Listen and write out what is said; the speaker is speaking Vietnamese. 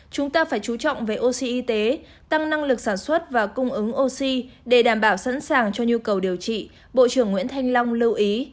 chúng ta phải chú trọng về oxy y tế tăng năng lực sản xuất và cung ứng oxy để đảm bảo sẵn sàng cho nhu cầu điều trị bộ trưởng nguyễn thanh long lưu ý